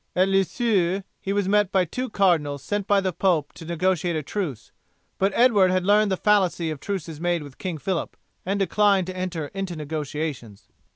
At Lisieux he was met by two cardinals sent by the pope to negotiate a truce; but Edward had learned the fallacy of truces made with King Phillip, and declined to enter into negotiations.